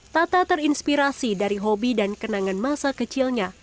tata terinspirasi dari hobi dan kenangan masa kecilnya